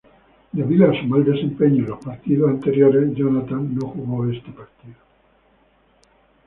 Debido a su mal desempeño en los partidos anteriores, Jonathan no jugó este partido.